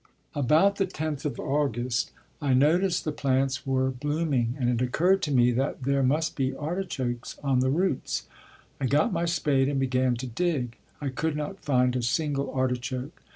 About the 10th of August I noticed the plants were blooming and it occurred to me that there must be artichokes on the roots. I got my spade and began to dig. I could not find a single artichoke.